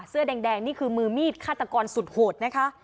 เสื้อแดงนี่คือมือมีดฆาตกรสุดโหดนะคะ